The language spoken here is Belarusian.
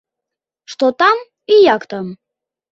Што там і як там?